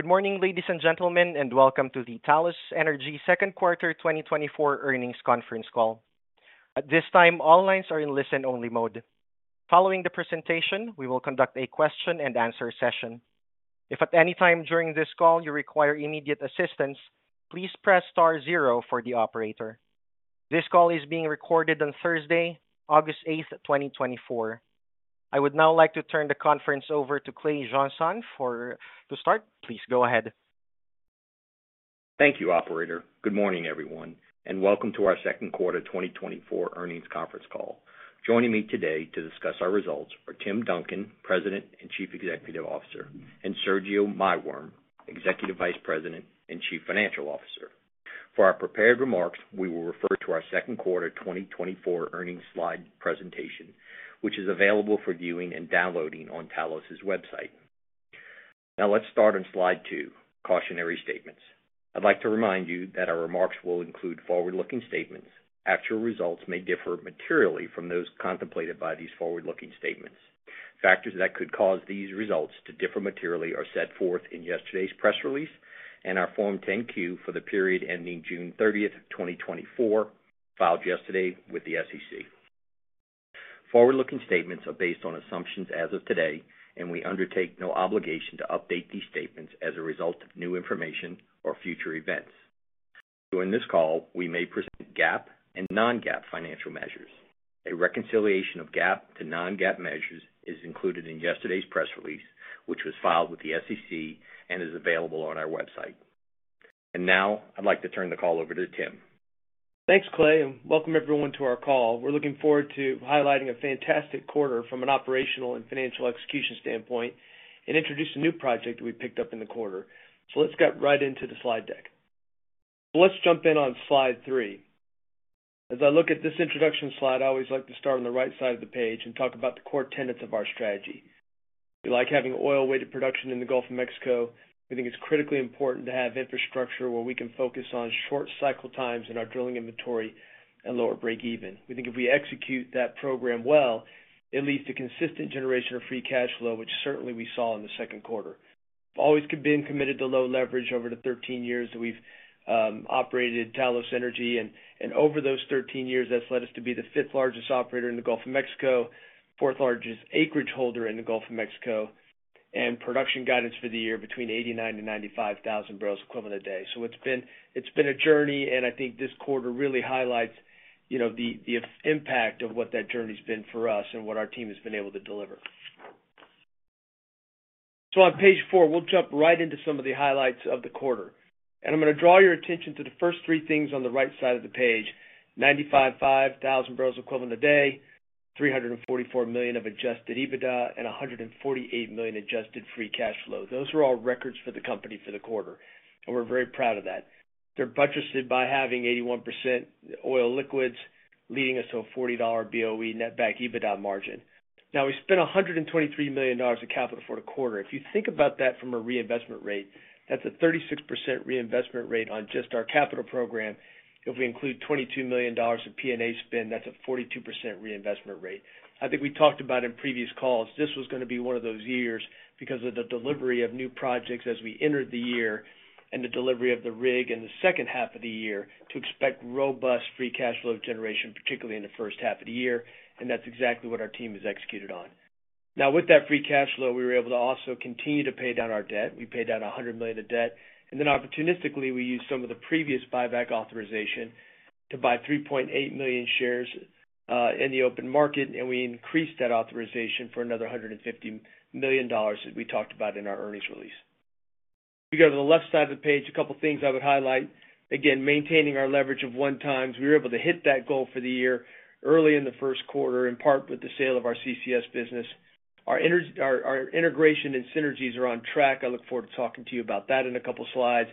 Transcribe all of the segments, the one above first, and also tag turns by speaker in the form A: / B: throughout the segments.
A: Good morning, ladies and gentlemen, and welcome to the Talos Energy Second Quarter 2024 Earnings Conference Call. At this time, all lines are in listen-only mode. Following the presentation, we will conduct a question-and-answer session. If at any time during this call you require immediate assistance, please press star zero for the operator. This call is being recorded on Thursday, August 8th, 2024. I would now like to turn the conference over to Clay Jeansonne to start. Please go ahead.
B: Thank you, operator. Good morning, everyone, and welcome to our Second Quarter 2024 Earnings Conference Call. Joining me today to discuss our results are Tim Duncan, President and Chief Executive Officer, and Sergio Maiworm, Executive Vice President and Chief Financial Officer. For our prepared remarks, we will refer to our Second Quarter 2024 Earnings Slide Presentation, which is available for viewing and downloading on Talos's website. Now, let's start on slide two, cautionary statements. I'd like to remind you that our remarks will include forward-looking statements. Actual results may differ materially from those contemplated by these forward-looking statements. Factors that could cause these results to differ materially are set forth in yesterday's press release and our Form 10-Q for the period ending June 30th, 2024, filed yesterday with the SEC. Forward-looking statements are based on assumptions as of today, and we undertake no obligation to update these statements as a result of new information or future events. During this call, we may present GAAP and non-GAAP financial measures. A reconciliation of GAAP to non-GAAP measures is included in yesterday's press release, which was filed with the SEC and is available on our website. Now I'd like to turn the call over to Tim.
C: Thanks, Clay, and welcome everyone to our call. We're looking forward to highlighting a fantastic quarter from an operational and financial execution standpoint and introduce a new project we picked up in the quarter. So let's get right into the slide deck. Let's jump in on slide three. As I look at this introduction slide, I always like to start on the right side of the page and talk about the core tenets of our strategy. We like having oil-weighted production in the Gulf of Mexico. We think it's critically important to have infrastructure where we can focus on short cycle times in our drilling inventory and lower break even. We think if we execute that program well, it leads to consistent generation of free cash flow, which certainly we saw in the second quarter. Always been committed to low leverage over the 13 years that we've operated Talos Energy, and over those 13 years, that's led us to be the fifth-largest operator in the Gulf of Mexico, fourth-largest acreage holder in the Gulf of Mexico, and production guidance for the year between 89,000-95,000 barrels of oil equivalent a day. So it's been, it's been a journey, and I think this quarter really highlights, you know, the, the impact of what that journey's been for us and what our team has been able to deliver. So on page four, we'll jump right into some of the highlights of the quarter, and I'm gonna draw your attention to the first three things on the right side of the page: 95,500 barrels equivalent a day, $344 million of adjusted EBITDA, and $148 million adjusted free cash flow. Those are all records for the company for the quarter, and we're very proud of that. They're budgeted by having 81% oil liquids, leading us to a $40 BOE netback EBITDA margin. Now, we spent $123 million of capital for the quarter. If you think about that from a reinvestment rate, that's a 36% reinvestment rate on just our capital program. If we include $22 million of P&A spend, that's a 42% reinvestment rate. I think we talked about in previous calls, this was gonna be one of those years because of the delivery of new projects as we entered the year and the delivery of the rig in the second half of the year to expect robust free cash flow generation, particularly in the first half of the year, and that's exactly what our team has executed on. Now, with that free cash flow, we were able to also continue to pay down our debt. We paid down $100 million of debt, and then opportunistically, we used some of the previous buyback authorization to buy 3.8 million shares in the open market, and we increased that authorization for another $150 million that we talked about in our earnings release. If you go to the left side of the page, a couple things I would highlight. Again, maintaining our leverage of one times. We were able to hit that goal for the year early in the first quarter, in part with the sale of our CCS business. Our integration and synergies are on track. I look forward to talking to you about that in a couple slides.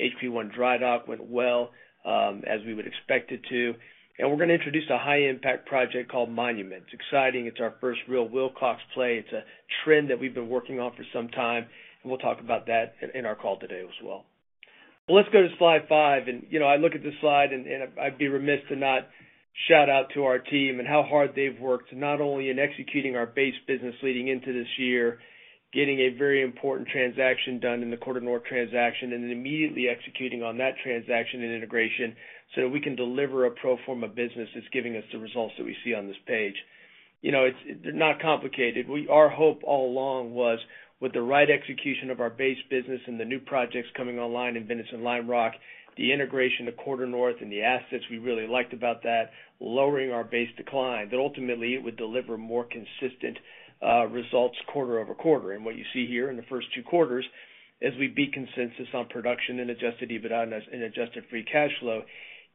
C: HP-1 dry dock went well, as we would expect it to. And we're gonna introduce a high-impact project called Monument. It's exciting. It's our first real Wilcox play. It's a trend that we've been working on for some time, and we'll talk about that in our call today as well. Well, let's go to slide five, and, you know, I look at this slide and, and I'd be remiss to not shout out to our team and how hard they've worked, not only in executing our base business leading into this year, getting a very important transaction done in the QuarterNorth transaction, and then immediately executing on that transaction and integration so that we can deliver a pro forma business that's giving us the results that we see on this page. You know, it's not complicated. We, our hope all along was, with the right execution of our base business and the new projects coming online in Venice and Lime Rock, the integration of QuarterNorth and the assets we really liked about that, lowering our base decline, that ultimately it would deliver more consistent results quarter-over-quarter. What you see here in the first two quarters, as we beat consensus on production and adjusted EBITDA and adjusted free cash flow,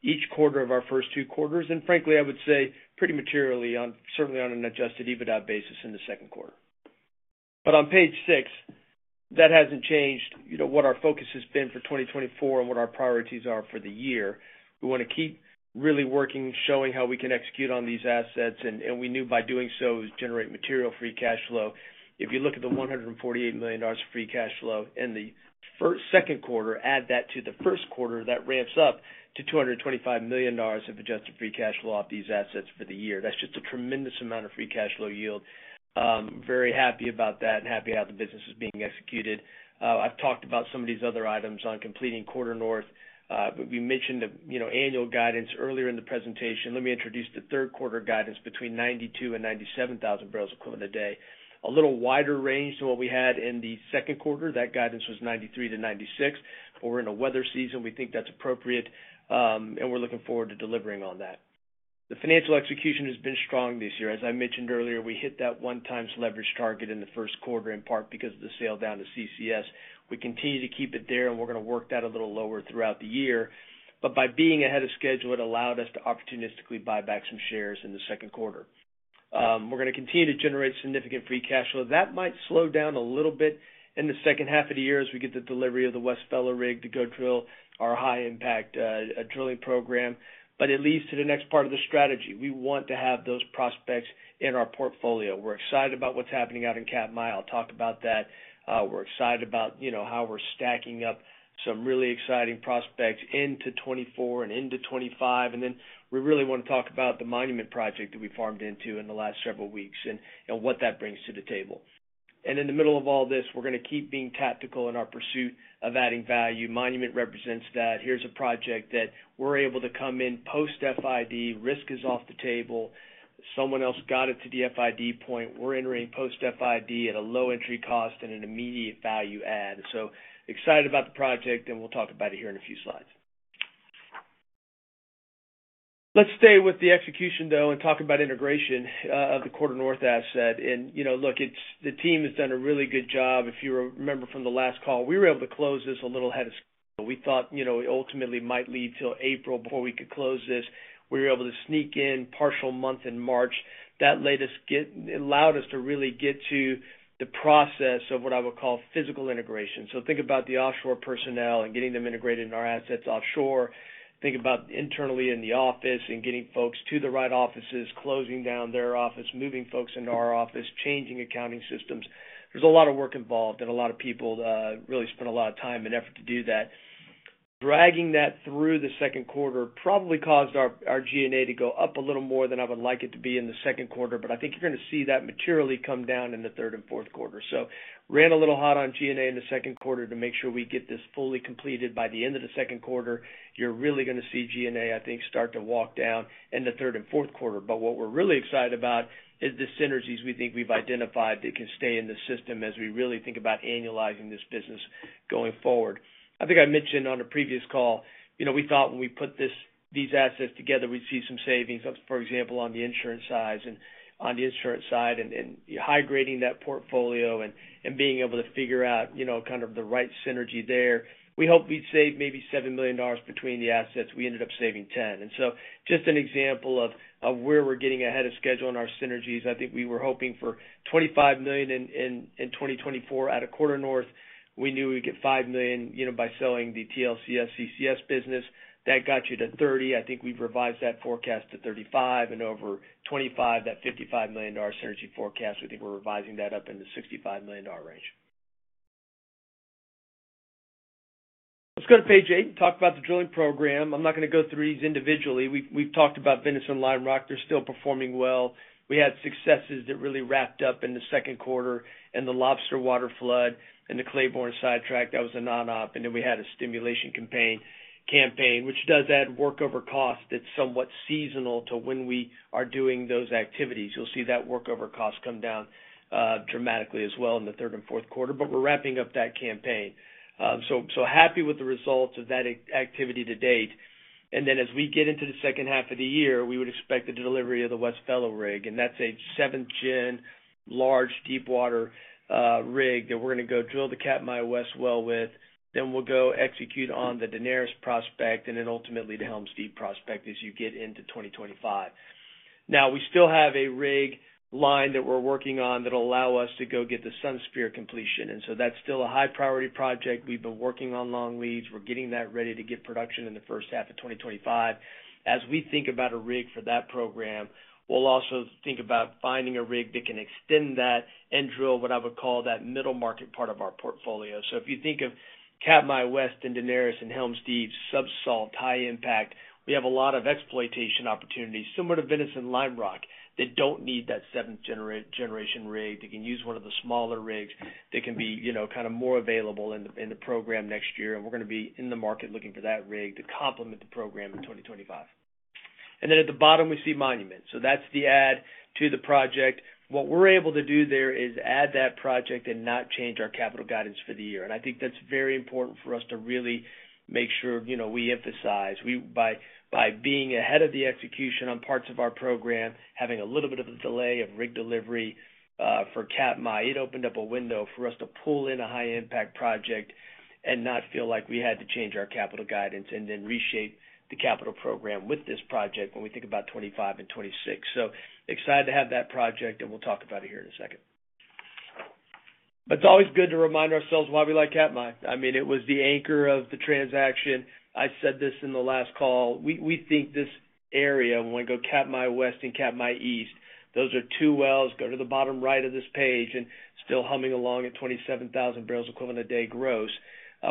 C: each quarter of our first two quarters, and frankly, I would say pretty materially on, certainly on an adjusted EBITDA basis in the second quarter.... On page six, that hasn't changed, you know, what our focus has been for 2024 and what our priorities are for the year. We want to keep really working, showing how we can execute on these assets, and, and we knew by doing so, is generate material free cash flow. If you look at the $148 million of free cash flow in the first-second quarter, add that to the first quarter, that ramps up to $225 million of adjusted free cash flow off these assets for the year. That's just a tremendous amount of free cash flow yield. Very happy about that and happy how the business is being executed. I've talked about some of these other items on completing QuarterNorth, but we mentioned the, you know, annual guidance earlier in the presentation. Let me introduce the third quarter guidance between 92,000 and 97,000 barrels equivalent a day. A little wider range than what we had in the second quarter. That guidance was 93,000-96,000. But we're in a weather season, we think that's appropriate, and we're looking forward to delivering on that. The financial execution has been strong this year. As I mentioned earlier, we hit that one-time leverage target in the first quarter, in part because of the sale down to CCS. We continue to keep it there, and we're going to work that a little lower throughout the year. But by being ahead of schedule, it allowed us to opportunistically buy back some shares in the second quarter. We're going to continue to generate significant free cash flow. That might slow down a little bit in the second half of the year as we get the delivery of the West Vela rig to go drill our high-impact drilling program. But it leads to the next part of the strategy. We want to have those prospects in our portfolio. We're excited about what's happening out in Katmai. I'll talk about that. We're excited about, you know, how we're stacking up some really exciting prospects into 2024 and into 2025. And then we really want to talk about the Monument project that we farmed into in the last several weeks and what that brings to the table. And in the middle of all this, we're going to keep being tactical in our pursuit of adding value. Monument represents that. Here's a project that we're able to come in post-FID. Risk is off the table. Someone else got it to the FID point. We're entering post-FID at a low entry cost and an immediate value add. So excited about the project, and we'll talk about it here in a few slides. Let's stay with the execution, though, and talk about integration of the QuarterNorth asset. And, you know, look, it's the team has done a really good job. If you remember from the last call, we were able to close this a little ahead of schedule. We thought, you know, it ultimately might lead till April before we could close this. We were able to sneak in partial month in March. That let us. It allowed us to really get to the process of what I would call physical integration. So think about the offshore personnel and getting them integrated in our assets offshore. Think about internally in the office and getting folks to the right offices, closing down their office, moving folks into our office, changing accounting systems. There's a lot of work involved, and a lot of people really spent a lot of time and effort to do that. Dragging that through the second quarter probably caused our, our G&A to go up a little more than I would like it to be in the second quarter, but I think you're going to see that materially come down in the third and fourth quarter. So ran a little hot on G&A in the second quarter to make sure we get this fully completed by the end of the second quarter. You're really going to see G&A, I think, start to walk down in the third and fourth quarter. But what we're really excited about is the synergies we think we've identified that can stay in the system as we really think about annualizing this business going forward. I think I mentioned on a previous call, you know, we thought when we put this-- these assets together, we'd see some savings, for example, on the insurance side, and high-grading that portfolio and being able to figure out, you know, kind of the right synergy there. We hoped we'd save maybe $7 million between the assets. We ended up saving $10 million. And so just an example of where we're getting ahead of schedule on our synergies. I think we were hoping for $25 million in 2024 out of QuarterNorth. We knew we'd get $5 million, you know, by selling the TLCS, CCS business. That got you to $30 million. I think we've revised that forecast to $35 million and over $25 million, that $55 million synergy forecast. We think we're revising that up in the $65 million range. Let's go to page eight and talk about the drilling program. I'm not going to go through these individually. We've talked about Venice and Lime Rock. They're still performing well. We had successes that really wrapped up in the second quarter, and the Lobster waterflood and the Claiborne sidetrack, that was a non-op. And then we had a stimulation campaign, which does add workover cost that's somewhat seasonal to when we are doing those activities. You'll see that workover cost come down dramatically as well in the third and fourth quarter, but we're wrapping up that campaign. So happy with the results of that activity to date. And then as we get into the second half of the year, we would expect the delivery of the West Vela rig, and that's a seventh-gen, large, deepwater rig that we're going to go drill the Katmai West well with. Then we'll go execute on the Daenerys prospect and then ultimately the Helms Deep prospect as you get into 2025. Now, we still have a rig line that we're working on that'll allow us to go get the Sunspear completion, and so that's still a high-priority project. We've been working on long leads. We're getting that ready to get production in the first half of 2025. As we think about a rig for that program, we'll also think about finding a rig that can extend that and drill what I would call that middle market part of our portfolio. So if you think of Katmai West and Daenerys and Helms Deep, subsalt, high impact, we have a lot of exploitation opportunities, similar to Venice and Lime Rock, that don't need that seventh-generation rig. They can use one of the smaller rigs that can be, you know, kind of more available in the, in the program next year. And we're going to be in the market looking for that rig to complement the program in 2025. And then at the bottom, we see Monument. So that's the add to the project. What we're able to do there is add that project and not change our capital guidance for the year. And I think that's very important for us to really make sure, you know, we emphasize. By being ahead of the execution on parts of our program, having a little bit of a delay of rig delivery for Katmai, it opened up a window for us to pull in a high-impact project and not feel like we had to change our capital guidance and then reshape the capital program with this project when we think about 2025 and 2026. So excited to have that project, and we'll talk about it here in a second. But it's always good to remind ourselves why we like Katmai. I mean, it was the anchor of the transaction. I said this in the last call. We think this area, when we go Katmai West and Katmai East, those are two wells. Go to the bottom right of this page, and still humming along at 27,000 barrels equivalent a day gross.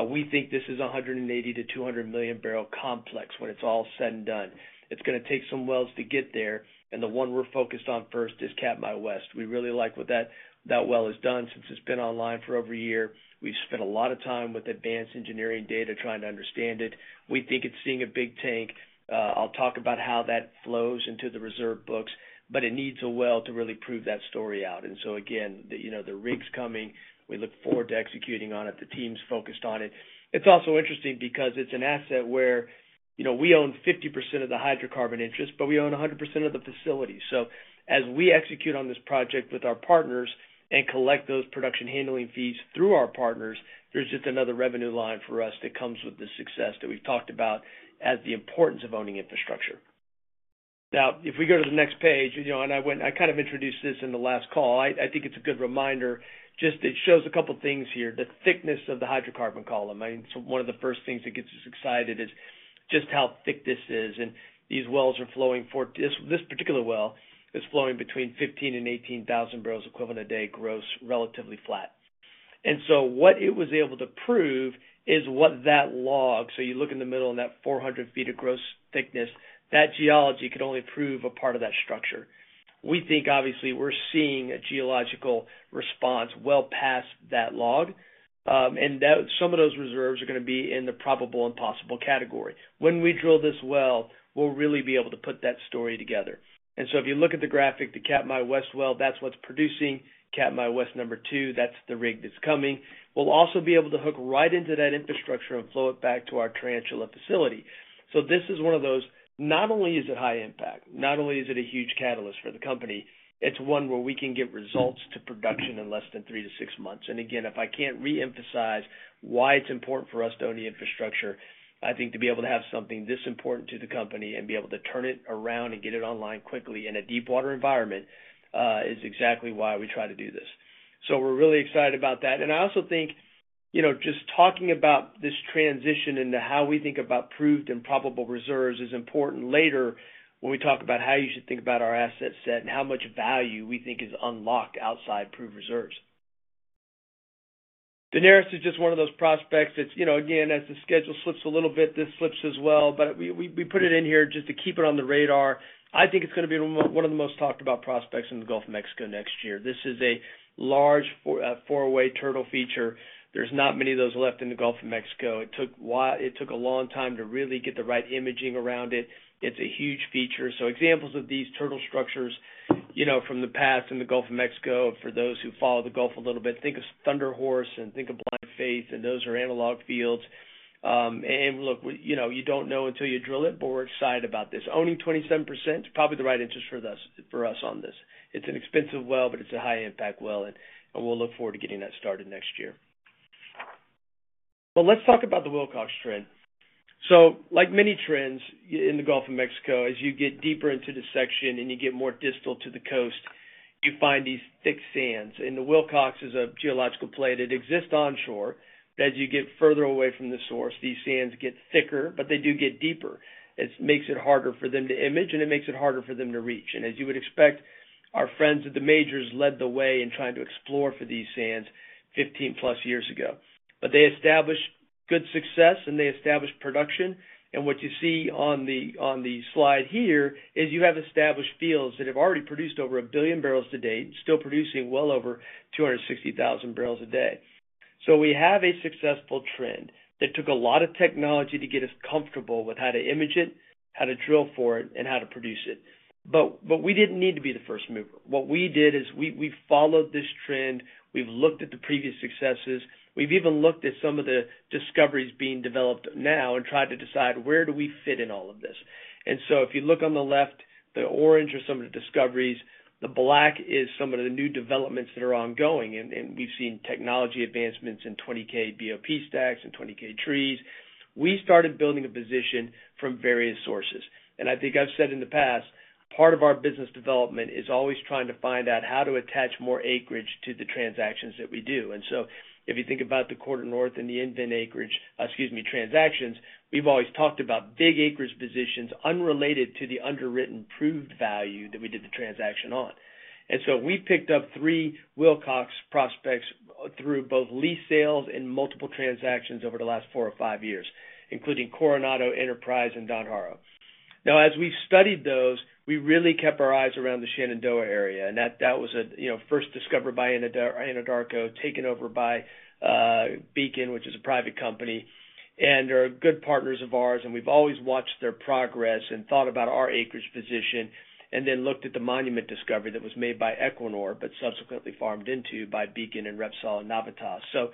C: We think this is a 180 million-200 million barrel complex when it's all said and done. It's gonna take some wells to get there, and the one we're focused on first is Katmai West. We really like what that, that well has done since it's been online for over a year. We've spent a lot of time with advanced engineering data, trying to understand it. We think it's seeing a big tank. I'll talk about how that flows into the reserve books, but it needs a well to really prove that story out. And so again, the, you know, the rig's coming. We look forward to executing on it. The team's focused on it. It's also interesting because it's an asset where, you know, we own 50% of the hydrocarbon interest, but we own 100% of the facility. So as we execute on this project with our partners and collect those production handling fees through our partners, there's just another revenue line for us that comes with the success that we've talked about as the importance of owning infrastructure. Now, if we go to the next page, you know, and I went, I kind of introduced this in the last call. I, I think it's a good reminder. Just, it shows a couple things here, the thickness of the hydrocarbon column. I mean, so one of the first things that gets us excited is just how thick this is, and these wells are flowing for... This, this particular well is flowing between 15,000 and 18,000 barrels equivalent a day, gross, relatively flat. And so what it was able to prove is what that log... So you look in the middle of that 400 ft of gross thickness, that geology could only prove a part of that structure. We think, obviously, we're seeing a geological response well past that log, and that some of those reserves are gonna be in the probable and possible category. When we drill this well, we'll really be able to put that story together. So if you look at the graphic, the Katmai West Well, that's what's producing. Katmai West number two, that's the rig that's coming. We'll also be able to hook right into that infrastructure and flow it back to our Tarantula facility. So this is one of those, not only is it high impact, not only is it a huge catalyst for the company, it's one where we can get results to production in less than 3-6 months. And again, if I can't reemphasize why it's important for us to own the infrastructure, I think to be able to have something this important to the company and be able to turn it around and get it online quickly in a deepwater environment is exactly why we try to do this. So we're really excited about that. And I also think, you know, just talking about this transition into how we think about proved and probable reserves is important later when we talk about how you should think about our asset set and how much value we think is unlocked outside proved reserves. Daenerys is just one of those prospects that's, you know, again, as the schedule slips a little bit, this slips as well, but we put it in here just to keep it on the radar. I think it's gonna be one of the most talked about prospects in the Gulf of Mexico next year. This is a large four, four-way turtle feature. There's not many of those left in the Gulf of Mexico. It took a long time to really get the right imaging around it. It's a huge feature. So examples of these turtle structures, you know, from the past in the Gulf of Mexico, for those who follow the Gulf a little bit, think of Thunder Horse and think of Blind Faith, and those are analog fields. And look, you know, you don't know until you drill it, but we're excited about this. Owning 27%, probably the right interest for us, for us on this. It's an expensive well, but it's a high-impact well, and we'll look forward to getting that started next year. Well, let's talk about the Wilcox trend. So like many trends in the Gulf of Mexico, as you get deeper into the section and you get more distal to the coast, you find these thick sands. And the Wilcox is a geological play that exists onshore that as you get further away from the source, these sands get thicker, but they do get deeper. It makes it harder for them to image, and it makes it harder for them to reach. And as you would expect, our friends at the majors led the way in trying to explore for these sands 15+ years ago. But they established good success, and they established production, and what you see on the, on the slide here is you have established fields that have already produced over 1 billion barrels to date, still producing well over 260,000 barrels a day. So we have a successful trend that took a lot of technology to get us comfortable with how to image it, how to drill for it, and how to produce it. But, but we didn't need to be the first mover. What we did is we, we followed this trend, we've looked at the previous successes, we've even looked at some of the discoveries being developed now and tried to decide: where do we fit in all of this? So if you look on the left, the orange are some of the discoveries, the black is some of the new developments that are ongoing, and we've seen technology advancements in 20K BOP stacks and 20K trees. We started building a position from various sources. And I think I've said in the past, part of our business development is always trying to find out how to attach more acreage to the transactions that we do. And so if you think about the QuarterNorth and the EnVen acreage, excuse me, transactions, we've always talked about big acreage positions unrelated to the underwritten proved value that we did the transaction on. And so we picked up three Wilcox prospects through both lease sales and multiple transactions over the last four or five years, including Coronado, Enterprise, and Dunharrow. Now, as we studied those, we really kept our eyes around the Shenandoah area, and that, that was a, you know, first discovered by Anadarko, taken over by Beacon, which is a private company, and are good partners of ours, and we've always watched their progress and thought about our acreage position, and then looked at the Monument discovery that was made by Equinor, but subsequently farmed into by Beacon and Repsol and Navitas. So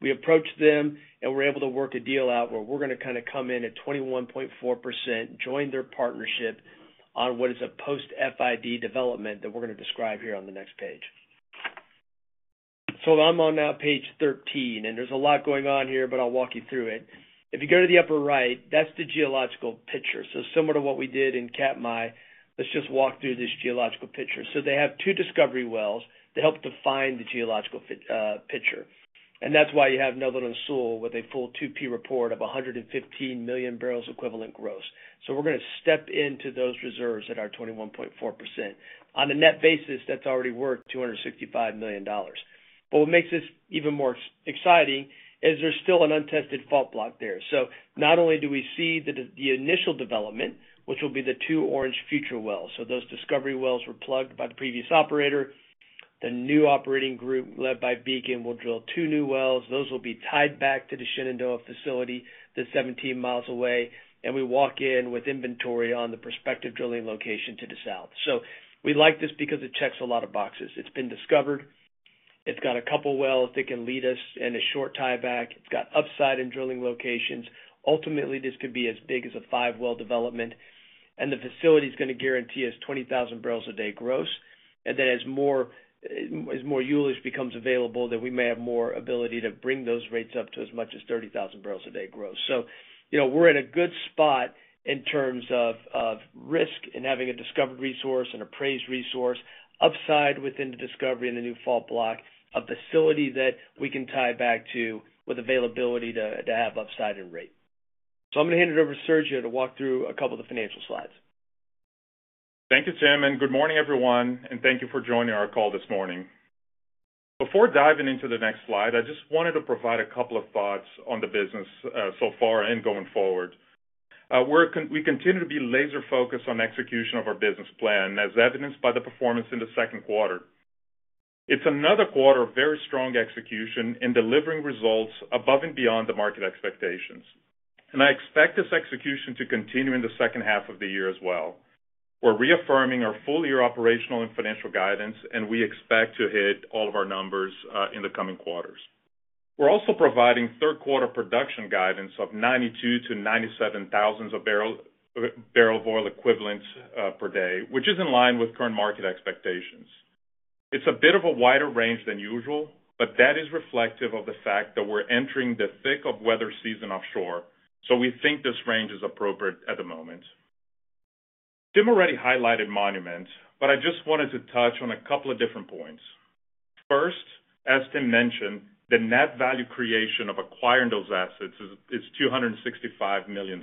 C: we approached them, and we're able to work a deal out where we're gonna kinda come in at 21.4%, join their partnership on what is a post-FID development that we're gonna describe here on the next page. So I'm on now page 13, and there's a lot going on here, but I'll walk you through it. If you go to the upper right, that's the geological picture. So similar to what we did in Katmai, let's just walk through this geological picture. So they have two discovery wells that help define the geological picture. And that's why you have Netherland Sewell with a full 2P report of 115 million barrels equivalent gross. So we're gonna step into those reserves at our 21.4%. On a net basis, that's already worth $265 million. But what makes this even more exciting is there's still an untested fault block there. So not only do we see the initial development, which will be the two orange future wells, so those discovery wells were plugged by the previous operator. The new operating group, led by Beacon, will drill two new wells. Those will be tied back to the Shenandoah facility, 17 miles away, and we walk in with inventory on the prospective drilling location to the south. So we like this because it checks a lot of boxes. It's been discovered. It's got a couple wells that can lead us and a short tieback. It's got upside in drilling locations. Ultimately, this could be as big as a 5-well development, and the facility is gonna guarantee us 20,000 barrels a day gross, and then as more, as more ullage becomes available, then we may have more ability to bring those rates up to as much as 30,000 barrels a day gross. So, you know, we're in a good spot in terms of of risk and having a discovered resource and appraised resource, upside within the discovery and the new fault block, a facility that we can tie back to, with availability to to have upside and rate. So I'm gonna hand it over to Sergio to walk through a couple of the financial slides.
D: Thank you, Tim, and good morning, everyone, and thank you for joining our call this morning. Before diving into the next slide, I just wanted to provide a couple of thoughts on the business, so far and going forward. We continue to be laser-focused on execution of our business plan, as evidenced by the performance in the second quarter. It's another quarter of very strong execution in delivering results above and beyond the market expectations, and I expect this execution to continue in the second half of the year as well. We're reaffirming our full-year operational and financial guidance, and we expect to hit all of our numbers in the coming quarters. We're also providing third-quarter production guidance of 92,000-97,000 barrels of oil equivalents per day, which is in line with current market expectations. It's a bit of a wider range than usual, but that is reflective of the fact that we're entering the thick of weather season offshore, so we think this range is appropriate at the moment. Tim already highlighted Monument, but I just wanted to touch on a couple of different points. First, as Tim mentioned, the net value creation of acquiring those assets is $265 million,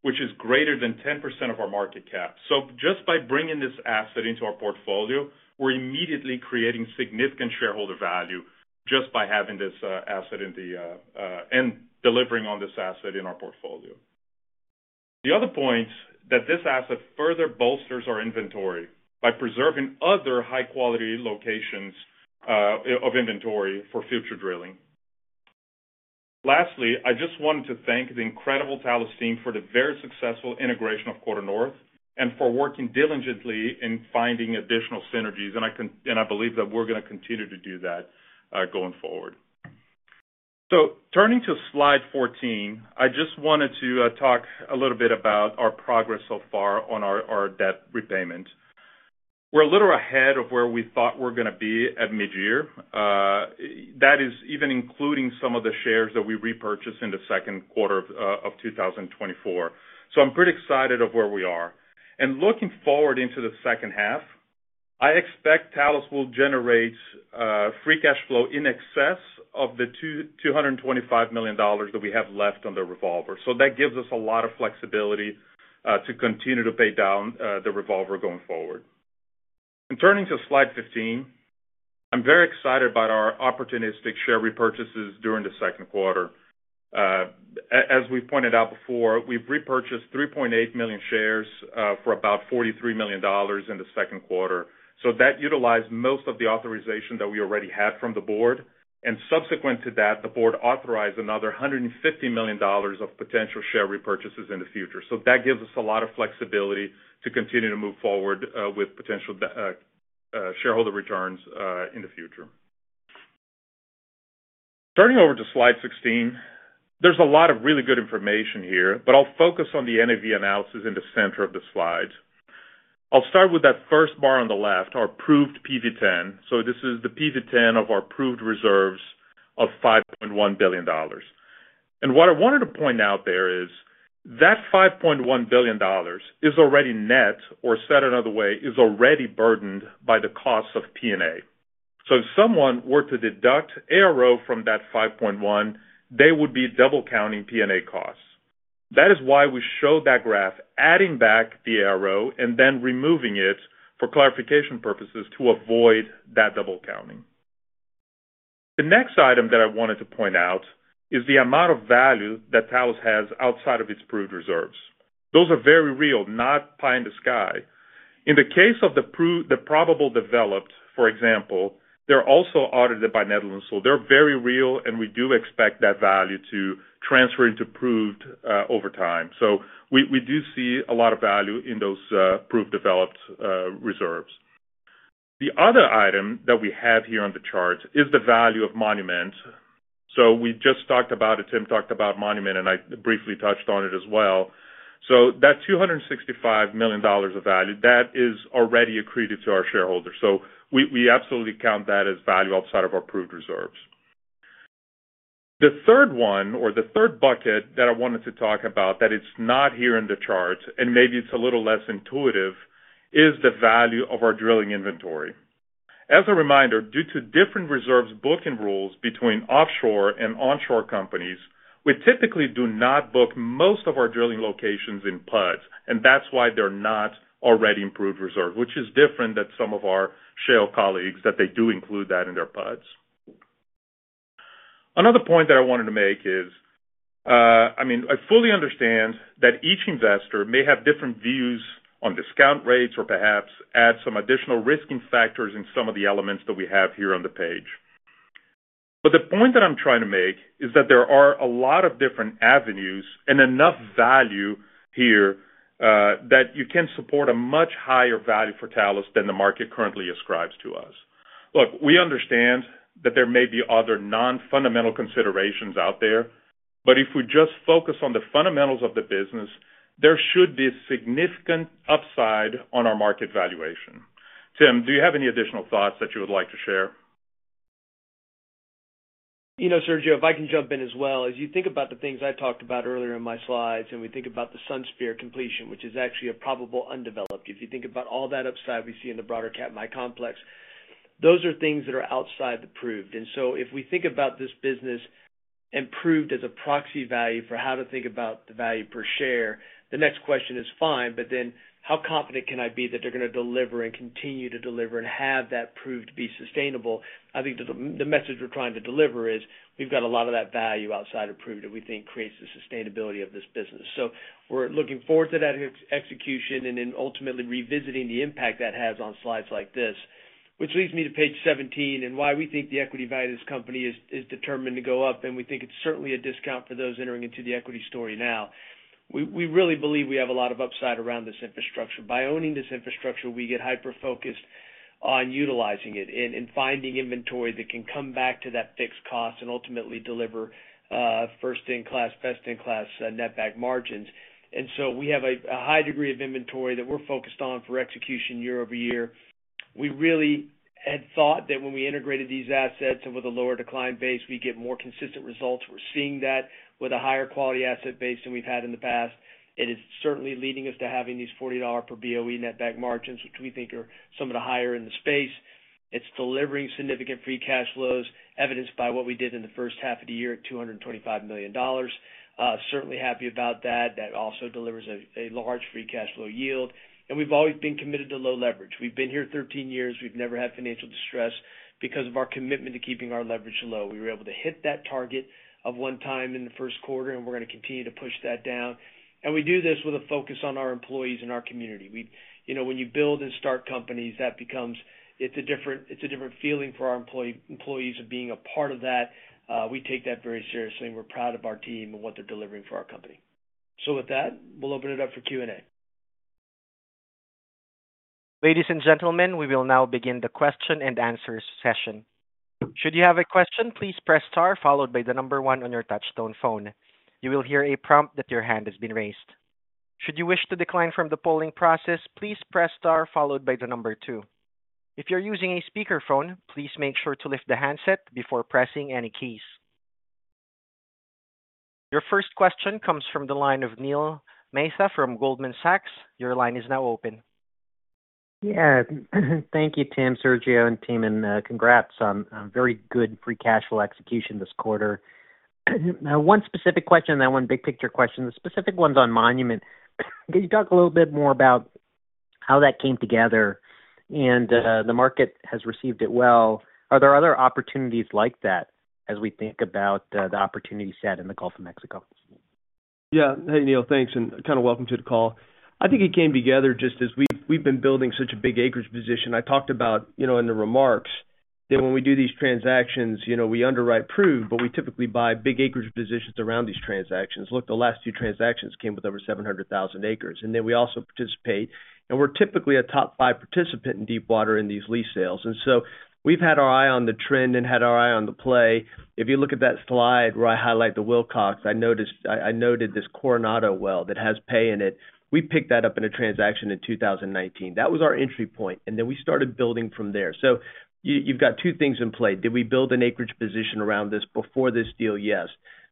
D: which is greater than 10% of our market cap. So just by bringing this asset into our portfolio, we're immediately creating significant shareholder value just by having this, asset in the, and delivering on this asset in our portfolio. The other point, that this asset further bolsters our inventory by preserving other high-quality locations, of inventory for future drilling. Lastly, I just wanted to thank the incredible Talos team for the very successful integration of QuarterNorth and for working diligently in finding additional synergies, and I believe that we're gonna continue to do that going forward. So turning to slide 14, I just wanted to talk a little bit about our progress so far on our debt repayment. We're a little ahead of where we thought we're gonna be at midyear. That is even including some of the shares that we repurchased in the second quarter of 2024. So I'm pretty excited of where we are. And looking forward into the second half, I expect Talos will generate free cash flow in excess of the $225 million that we have left on the revolver. So that gives us a lot of flexibility to continue to pay down the revolver going forward. Turning to slide 15, I'm very excited about our opportunistic share repurchases during the second quarter. As we pointed out before, we've repurchased 3.8 million shares for about $43 million in the second quarter. So that utilized most of the authorization that we already had from the board, and subsequent to that, the board authorized another $150 million of potential share repurchases in the future. So that gives us a lot of flexibility to continue to move forward with potential shareholder returns in the future. Turning over to slide 16, there's a lot of really good information here, but I'll focus on the NAV analysis in the center of the slide. I'll start with that first bar on the left, our proved PV-10. So this is the PV-10 of our proved reserves of $5.1 billion. And what I wanted to point out there is that $5.1 billion is already net or, said another way, is already burdened by the cost of P&A. So if someone were to deduct ARO from that $5.1 billion, they would be double counting P&A costs. That is why we showed that graph, adding back the ARO and then removing it for clarification purposes to avoid that double counting. The next item that I wanted to point out is the amount of value that Talos has outside of its Proved reserves. Those are very real, not pie in the sky. In the case of the probable developed, for example, they're also audited by Netherland Sewell, so they're very real, and we do expect that value to transfer into proved over time. So we do see a lot of value in those proved developed reserves. The other item that we have here on the chart is the value of Monument. So we just talked about it. Tim talked about Monument, and I briefly touched on it as well. So that $265 million of value, that is already accreted to our shareholders. So we absolutely count that as value outside of our proved reserves. The third one or the third bucket that I wanted to talk about, that it's not here in the chart, and maybe it's a little less intuitive, is the value of our drilling inventory. As a reminder, due to different reserves booking rules between offshore and onshore companies, we typically do not book most of our drilling locations in PUDs, and that's why they're not already proved reserves, which is different than some of our shale colleagues, that they do include that in their PUDs. Another point that I wanted to make is, I mean, I fully understand that each investor may have different views on discount rates or perhaps add some additional risking factors in some of the elements that we have here on the page. But the point that I'm trying to make is that there are a lot of different avenues and enough value here, that you can support a much higher value for Talos than the market currently ascribes to us. Look, we understand that there may be other non-fundamental considerations out there, but if we just focus on the fundamentals of the business, there should be a significant upside on our market valuation. Tim, do you have any additional thoughts that you would like to share?
C: You know, Sergio, if I can jump in as well. As you think about the things I talked about earlier in my slides, and we think about the Sunspear completion, which is actually a probable undeveloped, if you think about all that upside we see in the broader Katmai complex, those are things that are outside the proved. And so if we think about this business and proved as a proxy value for how to think about the value per share, the next question is fine, but then how confident can I be that they're gonna deliver and continue to deliver and have that proved to be sustainable? I think the message we're trying to deliver is we've got a lot of that value outside of proved, that we think creates the sustainability of this business. So we're looking forward to that execution and then ultimately revisiting the impact that has on slides like this, which leads me to page 17 and why we think the equity value of this company is determined to go up, and we think it's certainly a discount for those entering into the equity story now. We really believe we have a lot of upside around this infrastructure. By owning this infrastructure, we get hyper-focused on utilizing it and finding inventory that can come back to that fixed cost and ultimately deliver first-in-class, best-in-class netback margins. And so we have a high degree of inventory that we're focused on for execution year-over-year. We really had thought that when we integrated these assets and with a lower decline base, we'd get more consistent results. We're seeing that with a higher quality asset base than we've had in the past. It is certainly leading us to having these $40 per BOE netback margins, which we think are some of the higher in the space. It's delivering significant free cash flows, evidenced by what we did in the first half of the year at $225 million. Certainly happy about that. That also delivers a large free cash flow yield, and we've always been committed to low leverage. We've been here 13 years. We've never had financial distress because of our commitment to keeping our leverage low. We were able to hit that target of 1 time in the first quarter, and we're gonna continue to push that down. And we do this with a focus on our employees and our community. You know, when you build and start companies, that becomes... It's a different, it's a different feeling for our employee, employees of being a part of that. We take that very seriously, and we're proud of our team and what they're delivering for our company. So with that, we'll open it up for Q&A.
A: Ladies and gentlemen, we will now begin the question and answer session. Should you have a question, please press star followed by the number one on your touchtone phone. You will hear a prompt that your hand has been raised. Should you wish to decline from the polling process, please press star followed by the number two. If you're using a speakerphone, please make sure to lift the handset before pressing any keys. Your first question comes from the line of Neil Mehta from Goldman Sachs. Your line is now open.
E: Yeah. Thank you, Tim, Sergio, and team, and, congrats on very good free cash flow execution this quarter. Now, one specific question, and then one big-picture question. The specific one's on Monument. Can you talk a little bit more about how that came together? And, the market has received it well. Are there other opportunities like that as we think about the opportunity set in the Gulf of Mexico?
C: Yeah. Hey, Neil, thanks, and, kind of, welcome to the call. I think it came together just as we've, we've been building such a big acreage position. I talked about, you know, in the remarks that when we do these transactions, you know, we underwrite proved, but we typically buy big acreage positions around these transactions. Look, the last two transactions came with over 700,000 acres, and then we also participate, and we're typically a top five participant in deepwater in these lease sales. And so we've had our eye on the trend and had our eye on the play. If you look at that slide where I highlight the Wilcox, I noticed—I, I noted this Coronado well that has pay in it. We picked that up in a transaction in 2019. That was our entry point, and then we started building from there. So you, you've got two things in play. Did we build an acreage position around this before this deal? Yes.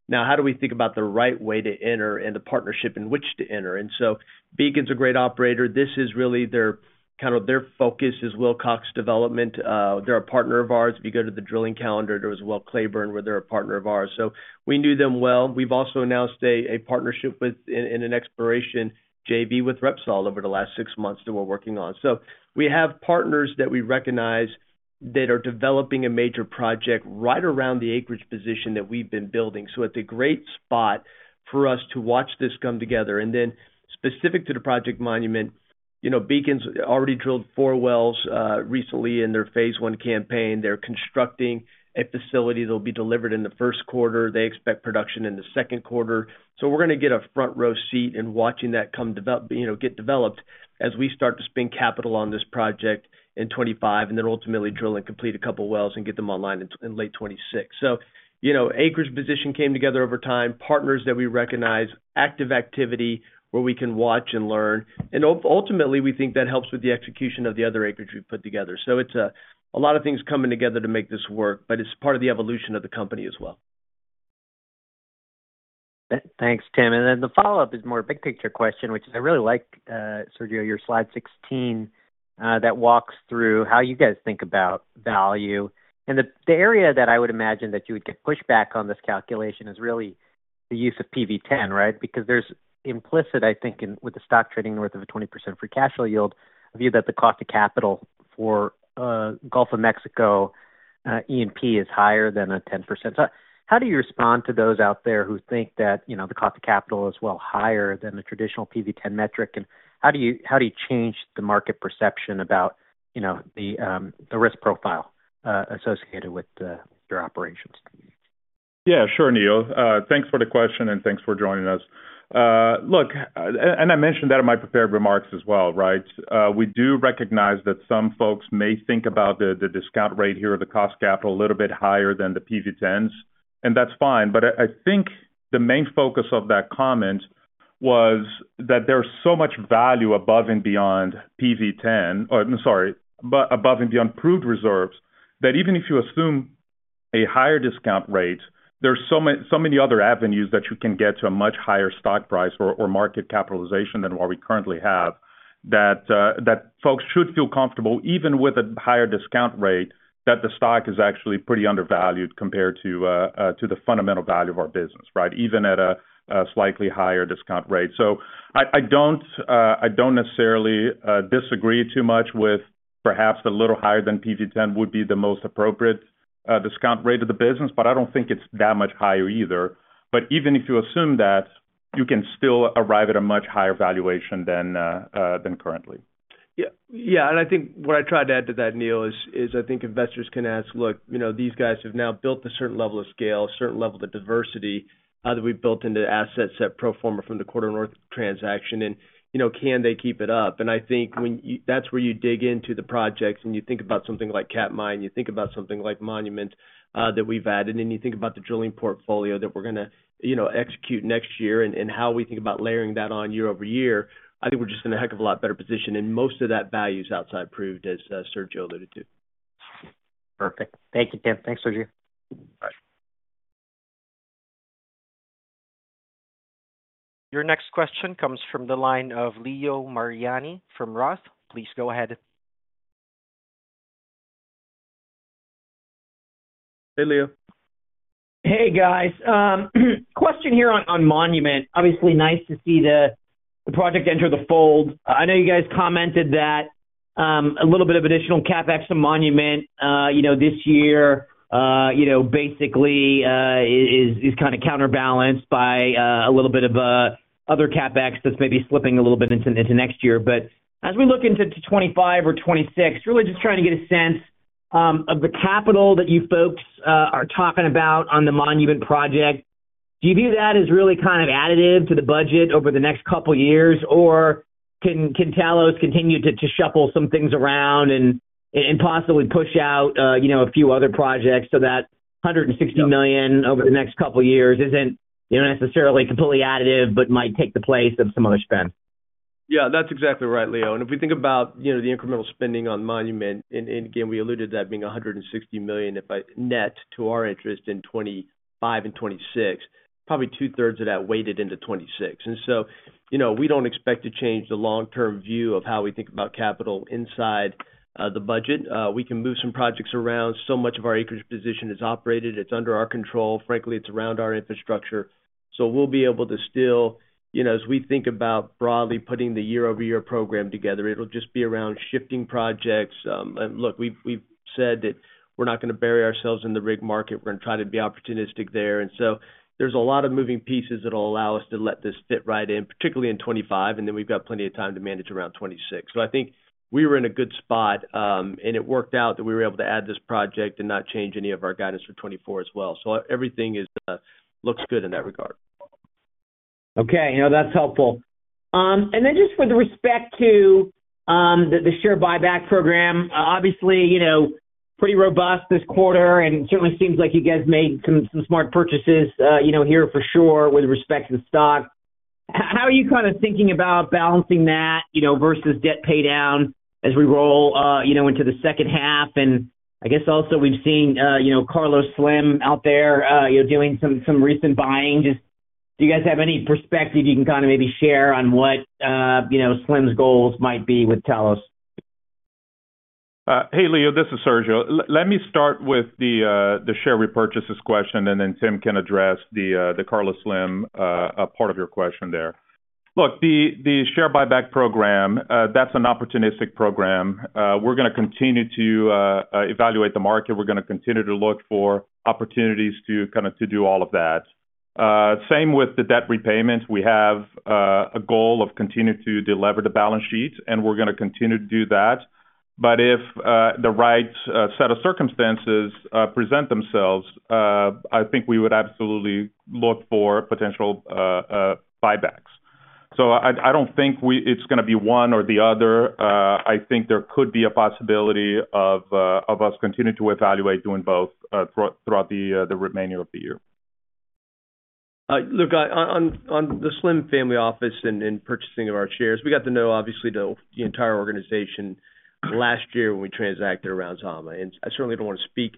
C: Now, how do we think about the right way to enter and the partnership in which to enter? And so Beacon's a great operator. This is really their... Kind of, their focus is Wilcox development. They're a partner of ours. If you go to the drilling calendar, there was, well, Claiborne, where they're a partner of ours, so we knew them well. We've also announced a partnership with, and an exploration JV with Repsol over the last six months that we're working on. So we have partners that we recognize that are developing a major project right around the acreage position that we've been building. So it's a great spot for us to watch this come together. And then specific to the project Monument, you know, Beacon's already drilled four wells recently in their phase one campaign. They're constructing a facility that will be delivered in the first quarter. They expect production in the second quarter. So we're gonna get a front row seat in watching that come develop, you know, get developed as we start to spend capital on this project in 2025, and then ultimately drill and complete a couple wells and get them online in late 2026. So, you know, acreage position came together over time, partners that we recognize, active activity where we can watch and learn, and ultimately, we think that helps with the execution of the other acreage we've put together. So it's a lot of things coming together to make this work, but it's part of the evolution of the company as well.
E: Thanks, Tim. And then the follow-up is more big picture question, which is I really like, Sergio, your slide 16, that walks through how you guys think about value. And the, the area that I would imagine that you would get pushback on this calculation is really the use of PV-10, right? Because there's implicit, I think, in with the stock trading north of a 20% free cash flow yield, a view that the cost of capital for, Gulf of Mexico, E&P is higher than a 10%. So how do you respond to those out there who think that, you know, the cost of capital is well higher than the traditional PV-10 metric? And how do you, how do you change the market perception about, you know, the, the risk profile, associated with the, your operations?
D: Yeah, sure, Neil. Thanks for the question, and thanks for joining us. And I mentioned that in my prepared remarks as well, right? We do recognize that some folks may think about the, the discount rate here, or the cost capital a little bit higher than the PV-10s, and that's fine. But I think the main focus of that comment was that there's so much value above and beyond PV-10, oh, I'm sorry, but above and beyond proved reserves, that even if you assume a higher discount rate, there's so many other avenues that you can get to a much higher stock price or market capitalization than what we currently have, that folks should feel comfortable, even with a higher discount rate, that the stock is actually pretty undervalued compared to the fundamental value of our business, right? Even at a slightly higher discount rate. So I don't necessarily disagree too much with perhaps a little higher than PV-10 would be the most appropriate discount rate of the business, but I don't think it's that much higher either. But even if you assume that, you can still arrive at a much higher valuation than currently.
C: Yeah. Yeah, and I think what I tried to add to that, Neil, is I think investors can ask, look, you know, these guys have now built a certain level of scale, a certain level of diversity, that we've built into the asset set pro forma from the QuarterNorth transaction, and, you know, can they keep it up? And I think when that's where you dig into the projects, and you think about something like Katmai, you think about something like Monument, that we've added, and you think about the drilling portfolio that we're gonna, you know, execute next year and, and how we think about layering that on year over year. I think we're just in a heck of a lot better position, and most of that value is outside proved, as Sergio alluded to.
E: Perfect. Thank you, Tim. Thanks, Sergio.
D: Bye.
A: Your next question comes from the line of Leo Mariani from ROTH. Please go ahead.
C: Hey, Leo.
F: Hey, guys. Question here on Monument. Obviously, nice to see the project enter the fold. I know you guys commented that, a little bit of additional CapEx to Monument, you know, this year, you know, basically, is kind of counterbalanced by, a little bit of other CapEx that's maybe slipping a little bit into next year. But as we look into 2025 or 2026, really just trying to get a sense, of the capital that you folks are talking about on the Monument project. Do you view that as really kind of additive to the budget over the next couple of years? Or can Talos continue to shuffle some things around and possibly push out, you know, a few other projects so that $160 million over the next couple of years isn't, you know, necessarily completely additive, but might take the place of some other spend?
C: Yeah, that's exactly right, Leo. And if we think about, you know, the incremental spending on Monument, and again, we alluded to that being $160 million net to our interest in 2025 and 2026, probably 2/3 of that weighted into 2026. And so, you know, we don't expect to change the long-term view of how we think about capital inside the budget. We can move some projects around. So much of our acreage position is operated, it's under our control. Frankly, it's around our infrastructure. So we'll be able to still, you know, as we think about broadly putting the year-over-year program together, it'll just be around shifting projects. And look, we've said that we're not gonna bury ourselves in the rig market. We're gonna try to be opportunistic there. And so there's a lot of moving pieces that will allow us to let this fit right in, particularly in 2025, and then we've got plenty of time to manage around 2026. So I think we were in a good spot, and it worked out that we were able to add this project and not change any of our guidance for 2024 as well. So everything looks good in that regard.
F: Okay, you know, that's helpful. And then just with respect to the share buyback program, obviously, you know, pretty robust this quarter, and it certainly seems like you guys made some smart purchases, you know, here for sure, with respect to the stock. How are you kind of thinking about balancing that, you know, versus debt paydown as we roll, you know, into the second half? And I guess also we've seen, you know, Carlos Slim out there, you know, doing some recent buying. Just, do you guys have any perspective you can kind of maybe share on what, you know, Slim's goals might be with Talos?
D: Hey, Leo, this is Sergio. Let me start with the share repurchases question, and then Tim can address the Carlos Slim part of your question there. Look, the share buyback program, that's an opportunistic program. We're gonna continue to evaluate the market. We're gonna continue to look for opportunities to kind of do all of that. Same with the debt repayments. We have a goal of continuing to delever the balance sheet, and we're gonna continue to do that. But if the right set of circumstances present themselves, I think we would absolutely look for potential buybacks. So I don't think we—it's gonna be one or the other. I think there could be a possibility of us continuing to evaluate doing both throughout the remaining of the year....
C: Look, on the Slim family office and purchasing of our shares, we got to know, obviously, the entire organization last year when we transacted around Zama. And I certainly don't want to speak,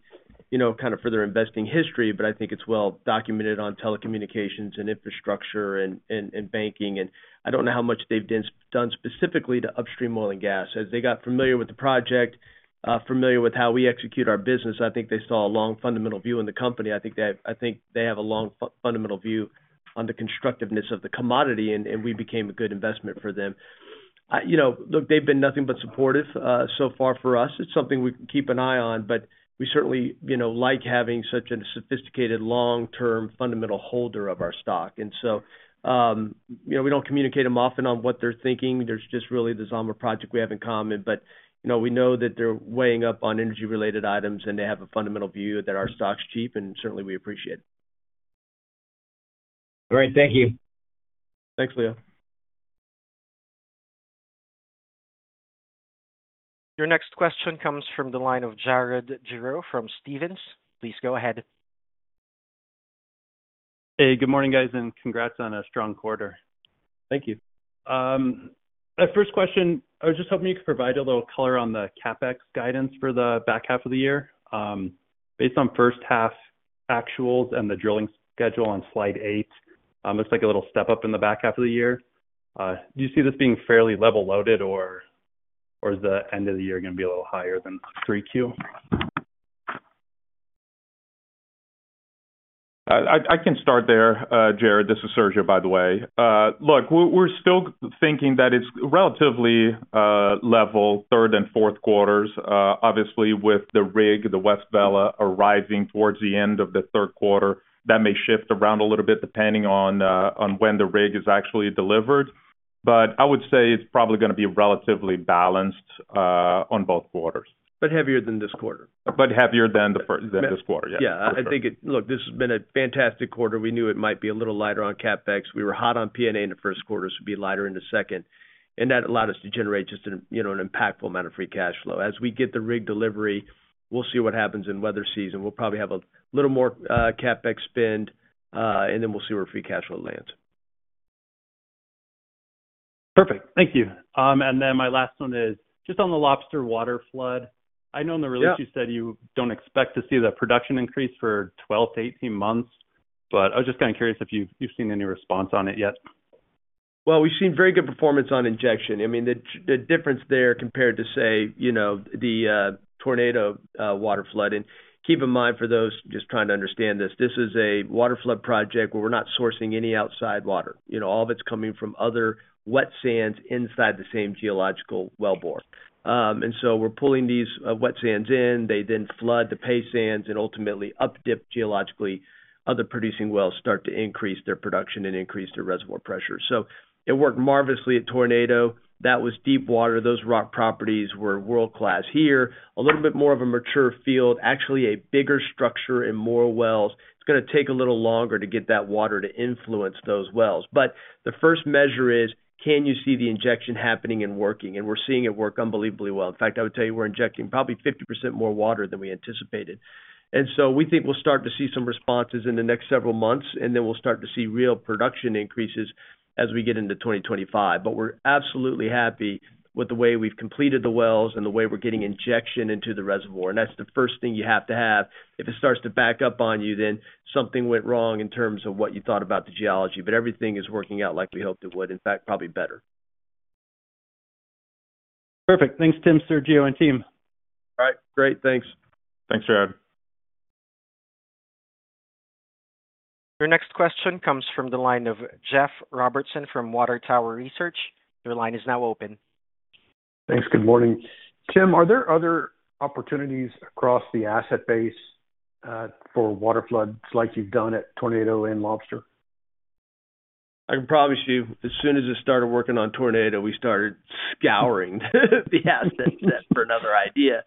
C: you know, kind of further investing history, but I think it's well documented on telecommunications and infrastructure and banking. And I don't know how much they've done specifically to upstream oil and gas. As they got familiar with the project, familiar with how we execute our business, I think they saw a long fundamental view in the company. I think they have a long fundamental view on the constructiveness of the commodity, and we became a good investment for them. You know, look, they've been nothing but supportive, so far for us. It's something we can keep an eye on, but we certainly, you know, like having such a sophisticated, long-term, fundamental holder of our stock. And so, you know, we don't communicate them often on what they're thinking. There's just really the Zama project we have in common. But, you know, we know that they're weighing up on energy-related items, and they have a fundamental view that our stock's cheap, and certainly, we appreciate it.
F: All right, thank you.
C: Thanks, Leo.
A: Your next question comes from the line of Jarrod Giroue from Stephens. Please go ahead.
G: Hey, good morning, guys, and congrats on a strong quarter.
C: Thank you.
G: My first question, I was just hoping you could provide a little color on the CapEx guidance for the back half of the year. Based on first half actuals and the drilling schedule on slide eight, it's like a little step up in the back half of the year. Do you see this being fairly level loaded, or, or is the end of the year gonna be a little higher than 3Q?
D: I can start there, Jarrod. This is Sergio, by the way. Look, we're still thinking that it's relatively level third and fourth quarters. Obviously, with the rig, the West Vela, arriving towards the end of the third quarter, that may shift around a little bit, depending on when the rig is actually delivered. But I would say it's probably gonna be relatively balanced on both quarters.
C: But heavier than this quarter.
D: But heavier than this quarter, yeah.
C: Yeah, I think. Look, this has been a fantastic quarter. We knew it might be a little lighter on CapEx. We were hot on P&A in the first quarter, so it would be lighter in the second, and that allowed us to generate just an, you know, an impactful amount of free cash flow. As we get the rig delivery, we'll see what happens in weather season. We'll probably have a little more CapEx spend, and then we'll see where free cash flow lands.
G: Perfect. Thank you. And then my last one is just on the Lobster waterflood.
C: Yeah.
G: I know in the release, you said you don't expect to see the production increase for 12-18 months, but I was just kind of curious if you've seen any response on it yet.
C: Well, we've seen very good performance on injection. I mean, the difference there compared to, say, you know, the Tornado waterflood. And keep in mind, for those just trying to understand this, this is a waterflood project where we're not sourcing any outside water. You know, all of it's coming from other wet sands inside the same geological wellbore. And so we're pulling these wet sands in. They then flood the pay sands and ultimately updip geologically, other producing wells start to increase their production and increase their reservoir pressure. So it worked marvelously at Tornado. That was deepwater. Those rock properties were world-class. Here, a little bit more of a mature field, actually a bigger structure and more wells. It's gonna take a little longer to get that water to influence those wells. But the first measure is, can you see the injection happening and working? And we're seeing it work unbelievably well. In fact, I would tell you, we're injecting probably 50% more water than we anticipated. And so we think we'll start to see some responses in the next several months, and then we'll start to see real production increases as we get into 2025. But we're absolutely happy with the way we've completed the wells and the way we're getting injection into the reservoir, and that's the first thing you have to have. If it starts to back up on you, then something went wrong in terms of what you thought about the geology, but everything is working out like we hoped it would. In fact, probably better.
G: Perfect. Thanks, Tim, Sergio, and team.
C: All right. Great. Thanks.
D: Thanks, Jarrod.
A: Your next question comes from the line of Jeff Robertson from Water Tower Research. Your line is now open.
H: Thanks. Good morning. Tim, are there other opportunities across the asset base, for waterfloods, like you've done at Tornado and Lobster?
C: I can promise you, as soon as I started working on Tornado, we started scouring the asset set for another idea,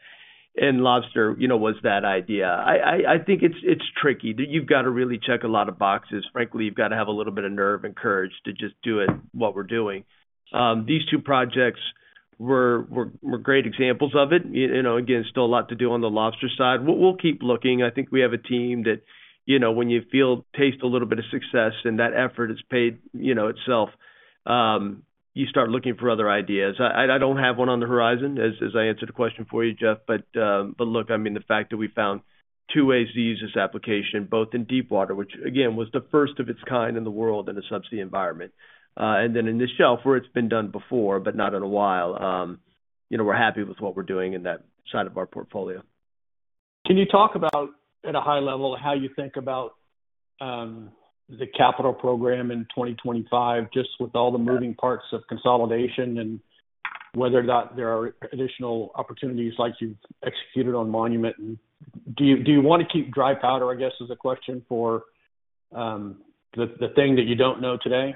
C: and Lobster, you know, was that idea. I think it's tricky. That you've got to really check a lot of boxes. Frankly, you've got to have a little bit of nerve and courage to just do it, what we're doing. These two projects were great examples of it. You know, again, still a lot to do on the Lobster side. We'll keep looking. I think we have a team that, you know, when you feel... taste a little bit of success, and that effort is paid, you know, itself, you start looking for other ideas. I don't have one on the horizon, as I answered a question for you, Jeff. But look, I mean, the fact that we found two ways to use this application, both in deepwater, which again, was the first of its kind in the world in a subsea environment. And then in the shelf, where it's been done before, but not in a while, you know, we're happy with what we're doing in that side of our portfolio.
H: Can you talk about, at a high level, how you think about the capital program in 2025, just with all the moving parts of consolidation and whether or not there are additional opportunities like you've executed on Monument? And do you want to keep dry powder, I guess, is the question, for the thing that you don't know today?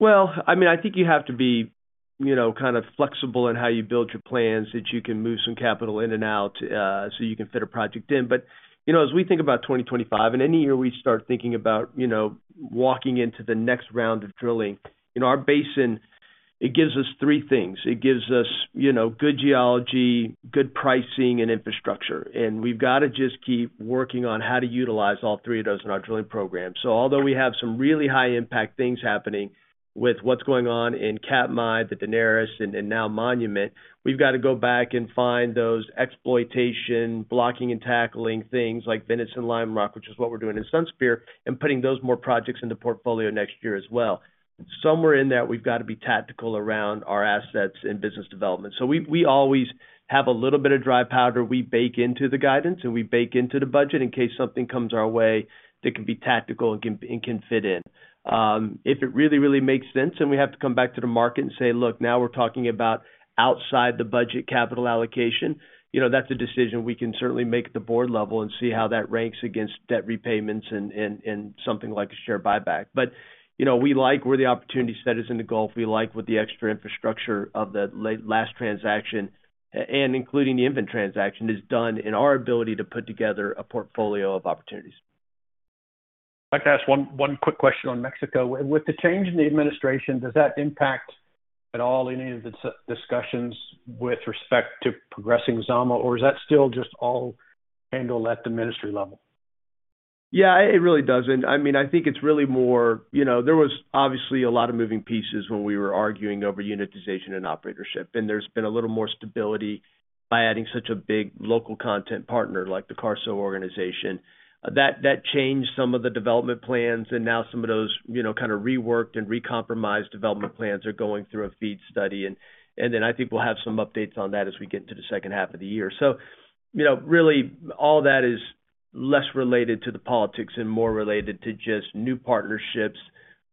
C: Well, I mean, I think you have to be, you know, kind of flexible in how you build your plans, that you can move some capital in and out, so you can fit a project in. But, you know, as we think about 2025 and any year, we start thinking about, you know, walking into the next round of drilling. In our basin, it gives us three things. It gives us, you know, good geology, good pricing, and infrastructure. And we've got to just keep working on how to utilize all three of those in our drilling program. So although we have some really high impact things happening with what's going on in Katmai, the Daenerys, and, and now Monument, we've got to go back and find those exploitation, blocking, and tackling things like Venice and Lime Rock, which is what we're doing in Sunspear, and putting those more projects in the portfolio next year as well. Somewhere in that, we've got to be tactical around our assets and business development. So we, we always have a little bit of dry powder we bake into the guidance and we bake into the budget in case something comes our way that can be tactical and can, and can fit in. If it really, really makes sense, then we have to come back to the market and say, "Look, now we're talking about outside the budget capital allocation," you know, that's a decision we can certainly make at the board level and see how that ranks against debt repayments and something like a share buyback. But, you know, we like where the opportunity set is in the Gulf. We like what the extra infrastructure of the last transaction, and including the EnVen transaction, has done in our ability to put together a portfolio of opportunities.
H: I'd like to ask one quick question on Mexico. With the change in the administration, does that impact at all any of the discussions with respect to progressing Zama, or is that still just all handled at the ministry level?
C: Yeah, it really doesn't. I mean, I think it's really more... You know, there was obviously a lot of moving pieces when we were arguing over unitization and operatorship, and there's been a little more stability by adding such a big local content partner like the Carso organization. That changed some of the development plans, and now some of those, you know, kind of reworked and recompromised development plans are going through a FEED study. And then I think we'll have some updates on that as we get to the second half of the year. So, you know, really, all that is less related to the politics and more related to just new partnerships,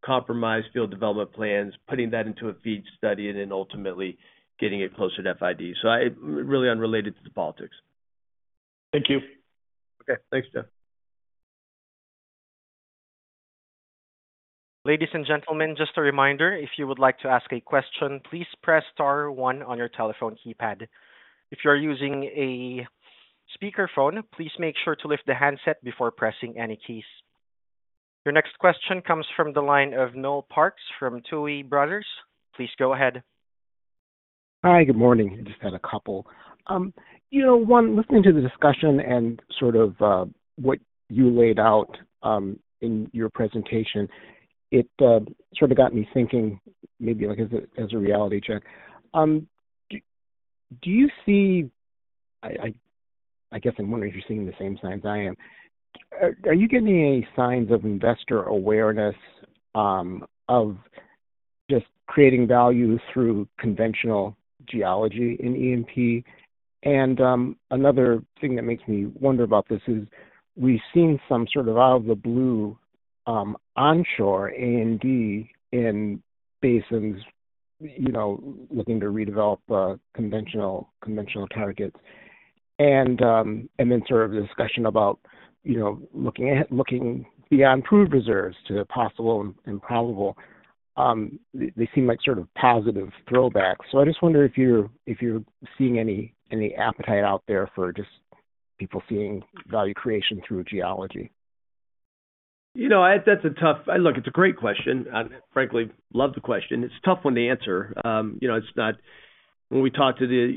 C: compromised field development plans, putting that into a FEED study, and then ultimately getting it closer to FID. So, I really unrelated to the politics.
H: Thank you.
C: Okay. Thanks, Jeff.
A: Ladies and gentlemen, just a reminder, if you would like to ask a question, please press star one on your telephone keypad. If you are using a speakerphone, please make sure to lift the handset before pressing any keys. Your next question comes from the line of Noel Parks from Tuohy Brothers. Please go ahead.
I: Hi, good morning. I just had a couple. You know, one, listening to the discussion and sort of what you laid out in your presentation, it sort of got me thinking, maybe like as a reality check. Do you see... I guess I'm wondering if you're seeing the same signs I am. Are you getting any signs of investor awareness of just creating value through conventional geology in E&P? And another thing that makes me wonder about this is, we've seen some sort of out of the blue onshore A&D in basins, you know, looking to redevelop conventional targets. And then sort of the discussion about, you know, looking beyond proved reserves to possible and probable, they seem like sort of positive throwbacks. I just wonder if you're seeing any appetite out there for just people seeing value creation through geology.
C: You know, that's a tough... Look, it's a great question. I frankly love the question. It's tough one to answer. You know, it's not when we talk to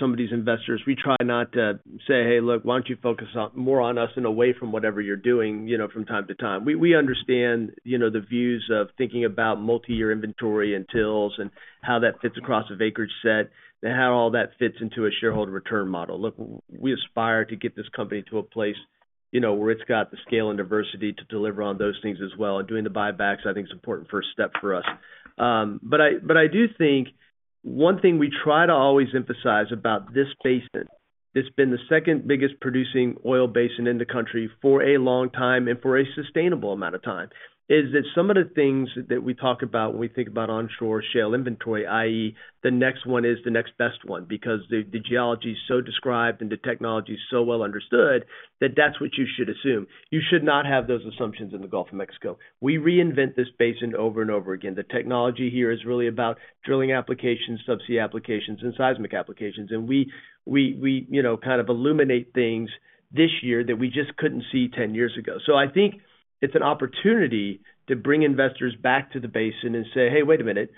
C: some of these investors, we try not to say, "Hey, look, why don't you focus more on us and away from whatever you're doing," you know, from time to time. We understand, you know, the views of thinking about multi-year inventory and TILs and how that fits across a acreage set, and how all that fits into a shareholder return model. Look, we aspire to get this company to a place, you know, where it's got the scale and diversity to deliver on those things as well, and doing the buybacks, I think, is an important first step for us. But I do think one thing we try to always emphasize about this basin, it's been the second biggest producing oil basin in the country for a long time and for a sustainable amount of time, is that some of the things that we talk about when we think about onshore shale inventory, i.e., the next one is the next best one, because the geology is so described and the technology is so well understood, that that's what you should assume. You should not have those assumptions in the Gulf of Mexico. We reinvent this basin over and over again. The technology here is really about drilling applications, subsea applications, and seismic applications. We, you know, kind of illuminate things this year that we just couldn't see 10 years ago. So I think it's an opportunity to bring investors back to the basin and say, "Hey, wait a minute,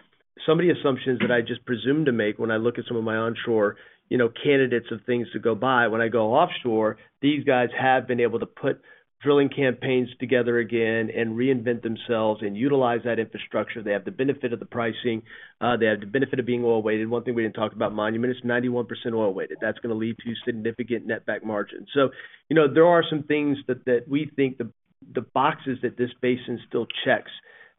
C: some of the assumptions that I just presumed to make when I look at some of my onshore, you know, candidates of things to go buy, when I go offshore, these guys have been able to put drilling campaigns together again and reinvent themselves and utilize that infrastructure. They have the benefit of the pricing. They have the benefit of being oil weighted." One thing we didn't talk about, Monument is 91% oil weighted. That's gonna lead to significant netback margins. So, you know, there are some things that we think the boxes that this basin still checks,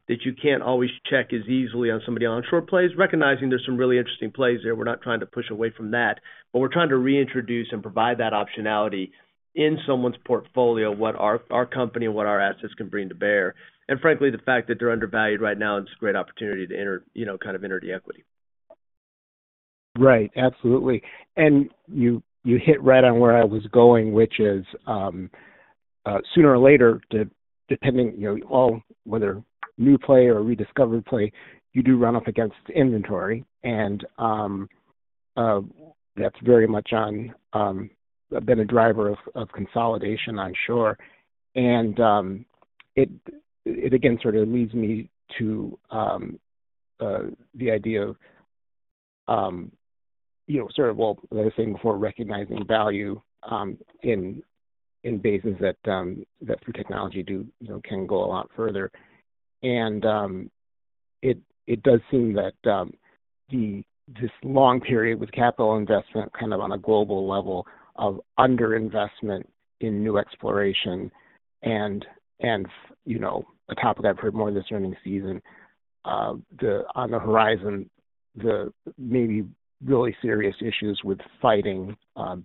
C: that you can't always check as easily on some of the onshore plays, recognizing there's some really interesting plays there. We're not trying to push away from that, but we're trying to reintroduce and provide that optionality in someone's portfolio, what our, our company and what our assets can bring to bear. And frankly, the fact that they're undervalued right now, it's a great opportunity to enter, you know, kind of enter the equity.
I: Right. Absolutely. And you, you hit right on where I was going, which is, sooner or later, depending, you know, all, whether new play or rediscovered play, you do run up against inventory. And, that's very much on, been a driver of, of consolidation onshore. And, it, it again, sort of leads me to, the idea of, you know, sort of, well, as I was saying before, recognizing value, in, in basins that, that through technology do, you know, can go a lot further. It does seem that this long period with capital investment, kind of on a global level of underinvestment in new exploration and, you know, on top of that, for more of this earning season, on the horizon, the maybe really serious issues with fighting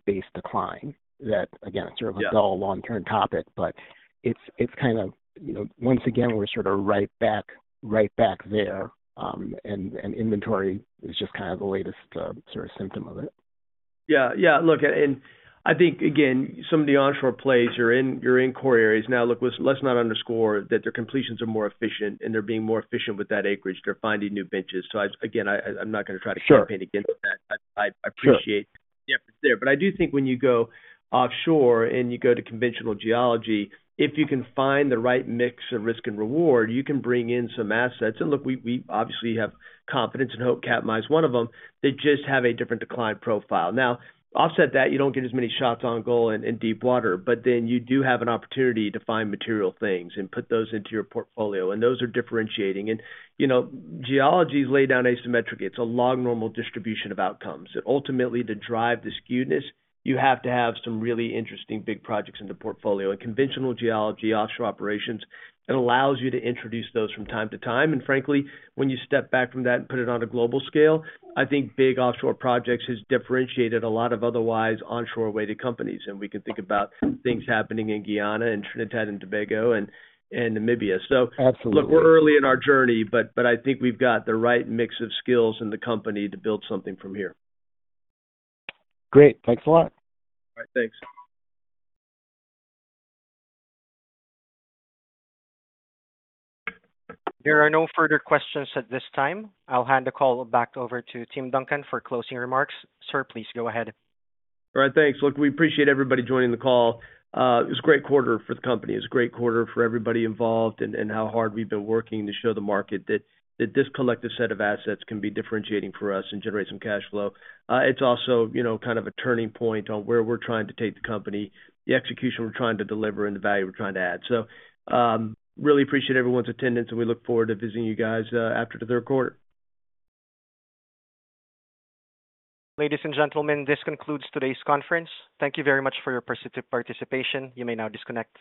I: base decline. That, again, it's sort of a dull long-term topic, but it's kind of, you know, once again, we're sort of right back there. And inventory is just kind of the latest sort of symptom of it.
C: Yeah. Yeah, look, and I think, again, some of the onshore plays, you're in, you're in core areas. Now, look, let's, let's not underscore that their completions are more efficient and they're being more efficient with that acreage. They're finding new benches. So again, I, I, I'm not gonna try to campaign against that.
I: Sure.
C: I appreciate the effort there. But I do think when you go offshore and you go to conventional geology, if you can find the right mix of risk and reward, you can bring in some assets. And look, we obviously have confidence and hope Katmai is one of them. They just have a different decline profile. Now, offset that, you don't get as many shots on goal in deepwater, but then you do have an opportunity to find material things and put those into your portfolio, and those are differentiating. And, you know, geology is laid down asymmetric. It's a log-normal distribution of outcomes, that ultimately, to drive the skewedness, you have to have some really interesting big projects in the portfolio. And conventional geology, offshore operations, it allows you to introduce those from time to time. And frankly, when you step back from that and put it on a global scale, I think big offshore projects has differentiated a lot of otherwise onshore-weighted companies. And we can think about things happening in Guyana and Trinidad and Tobago and, and Namibia. So-
I: Absolutely.
C: Look, we're early in our journey, but I think we've got the right mix of skills in the company to build something from here.
I: Great. Thanks a lot.
C: All right. Thanks.
A: There are no further questions at this time. I'll hand the call back over to Tim Duncan for closing remarks. Sir, please go ahead.
C: All right, thanks. Look, we appreciate everybody joining the call. It was a great quarter for the company. It was a great quarter for everybody involved and how hard we've been working to show the market that this collective set of assets can be differentiating for us and generate some cash flow. It's also, you know, kind of a turning point on where we're trying to take the company, the execution we're trying to deliver and the value we're trying to add. So, really appreciate everyone's attendance, and we look forward to visiting you guys after the third quarter.
A: Ladies and gentlemen, this concludes today's conference. Thank you very much for your participation. You may now disconnect.